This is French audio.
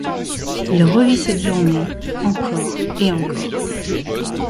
Il revit cette journée, encore et encore.